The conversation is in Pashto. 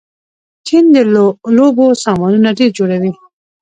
چین د لوبو سامانونه ډېر جوړوي.